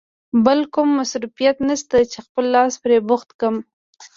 بل کوم مصروفیت نشته چې خپل لاس پرې بوخت کړې.